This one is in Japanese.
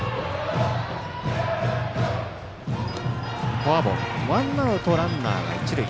フォアボールワンアウト、ランナーが一塁。